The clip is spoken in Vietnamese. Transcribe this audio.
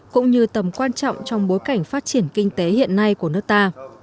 cũng như tầm quan trọng trong bối cảnh phát triển kinh tế hiện nay của nước ta